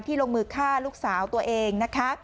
ที่ลงมือฆ่าลูกสาวตัวเอง